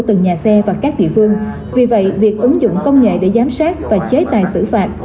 từng nhà xe và các địa phương vì vậy việc ứng dụng công nghệ để giám sát và chế tài xử phạt